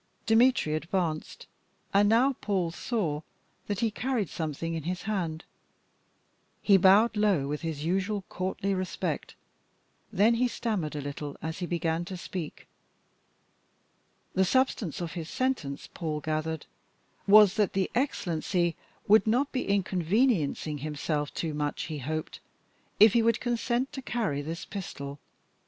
Dmitry advanced, and now Paul saw that he carried something in his hand. He bowed low with his usual courtly respect. Then he stammered a little as he began to speak. The substance of his sentence, Paul gathered, was that the Excellency would not be inconveniencing himself too much, he hoped, if he would consent to carry this pistol.